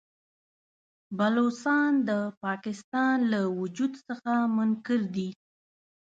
بلوڅان د پاکستان له وجود څخه منکر دي.